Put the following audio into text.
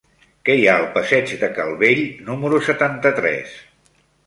Què hi ha al passeig de Calvell número setanta-tres?